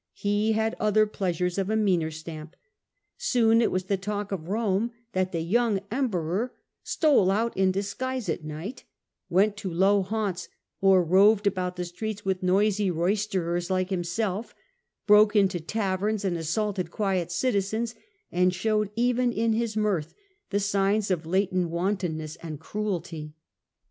He had other pleasures of a meaner stamp. Soon it was the talk of Rome that the young Emperor stole out in disguise at night, went to low ^nd for low haunts or roved about the streets with noisy dissipation, roysterers like himself, broke into taverns and assaulted quiet citizens, and showed even in his mirth the signs of latent wantonness and cruelty.